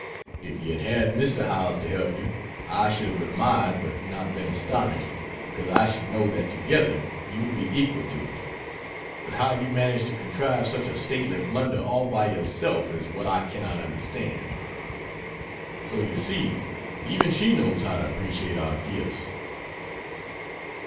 If you had had Mr. Howells to help you, I should have admired but not been astonished, because I should know that together you would be equal to it; but how you managed to contrive such a stately blunder all by yourself, is what I cannot understand." So, you see, even she knows how to appreciate our gifts.